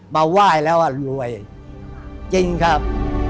มาไหว้แล้วรวยจริงครับ